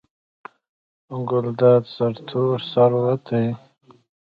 ګلداد سرتور سر وتی و.